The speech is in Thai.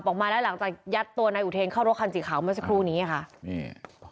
ออกมาแล้วหลังจากยัดตัวนายอุเทนเข้ารถคันสีขาวเมื่อสักครู่นี้ค่ะนี่